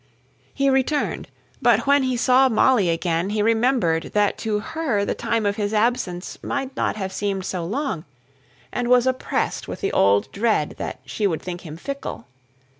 He returned; but when he saw Molly again he remembered that to her the time of his absence might not have seemed so long, and was oppressed with the old dread that she would think him fickle.